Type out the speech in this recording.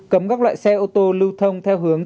cấm các loại xe ô tô lưu thông theo hướng